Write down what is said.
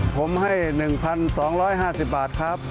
ผมให้๑๒๕๐บาทครับ